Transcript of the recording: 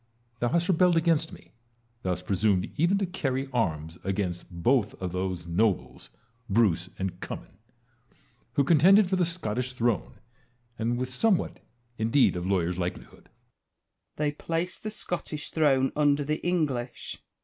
Thou hast rebelled against me ; thou hast presumed even to carry arms against both of those nobles, Bruce and Oummin, who contended for the Scottish throne, and with somewhat indeed of lawyer's likelihood. Wallace. They placed the Scottish throne under the English.